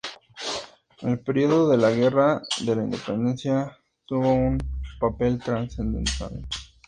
En el periodo de la guerra de la Independencia tuvo un papel trascendental.